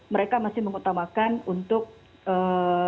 mereka masih mengutamakan untuk ee